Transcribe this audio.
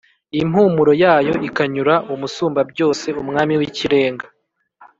impumuro yayo ikanyura Umusumbabyose, Umwami w’ikirenga.